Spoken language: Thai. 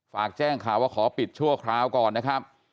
ฝากแจ้งข่าวว่าขอปิดชั่วคราวก่อนนะครับ